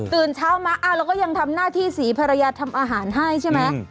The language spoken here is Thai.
เช้ามาอ้าวเราก็ยังทำหน้าที่สีภรรยาทำอาหารให้ใช่ไหม